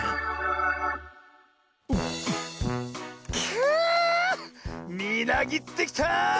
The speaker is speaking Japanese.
くみなぎってきた！